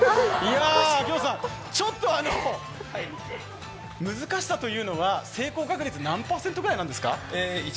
秋元さん、ちょっと難しさというのは成功確率何％ぐらいなんですか？